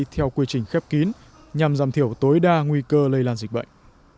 theo quy trình khép kín nhằm giảm thiểu tối đa nguy cơ lây lan dịch bệnh